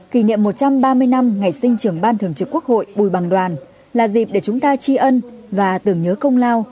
kỷ niệm một trăm ba mươi năm ngày sinh trưởng ban thường trực quốc hội bùi bằng đoàn là dịp để chúng ta tri ân và tưởng nhớ công lao